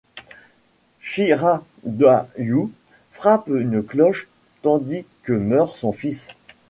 Shiradayū frappe une cloche tandis que meurt son fils.